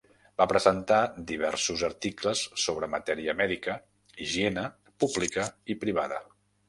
Va presentar diversos articles sobre matèria mèdica, higiene pública i privada.